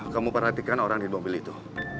kamu perhatikan orang di mobil itu